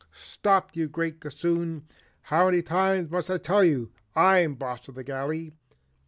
"Stop you great Gossoon! How many times must I tell you I'm boss of the galley?"